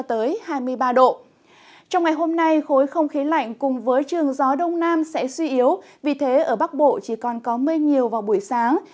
trong ngày hôm nay khối không khí lạnh cùng với trường gió đông nam sẽ suy yếu vì thế ở bắc bộ chỉ còn có mây nhiều vào buổi sáng